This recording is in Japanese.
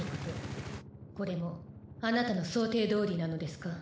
これもあなたの想定どおりなのですか？